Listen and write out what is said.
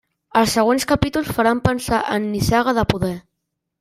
Els següents capítols faran pensar en Nissaga de poder.